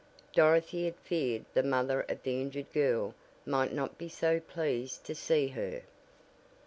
Dorothy had feared the mother of the injured girl might not be so pleased to see her.